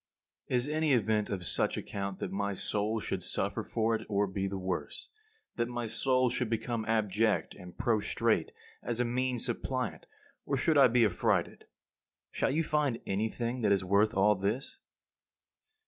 Is any event of such account that my soul should suffer for it or be the worse; that my soul should become abject and prostrate as a mean suppliant, or should be affrighted? Shall you find anything that is worth all this?